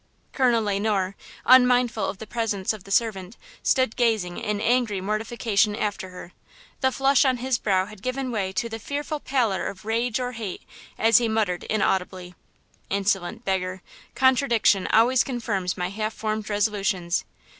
Colonel Le Noir, unmindful of the presence of the servant, stood gazing in angry mortification after her. The flush on his brow had given way to the fearful pallor of rage or hate as he muttered inaudibly: "Insolent beggar! contradiction always confirms my half formed resolutions.